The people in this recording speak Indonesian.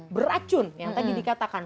beracun yang tadi dikatakan